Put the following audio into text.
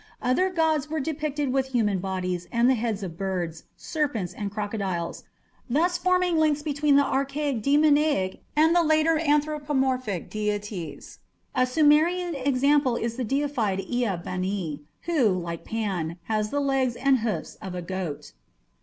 Other gods were depicted with human bodies and the heads of birds, serpents, and crocodiles, thus forming links between the archaic demoniac and the later anthropomorphic deities. A Sumerian example is the deified Ea bani, who, like Pan, has the legs and hoofs of a goat.